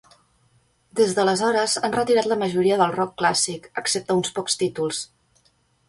Des d'aleshores han retirat la majoria del rock clàssic, excepte uns pocs títols.